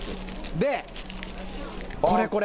で、これこれ。